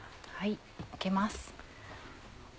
開けます。